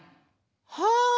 はあ！